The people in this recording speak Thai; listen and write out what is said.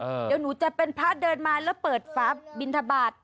เดี๋ยวหนูจะเป็นพระเดินมาแล้วเปิดฟ้าบินทบาท